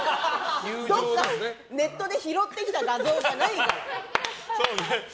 どこかネットで拾ってきた画像じゃないわ。